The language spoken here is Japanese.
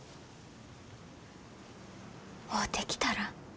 会うてきたら？